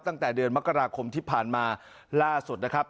ตั้งแต่เดือนมกราคมที่ผ่านมาล่าสุดนะครับ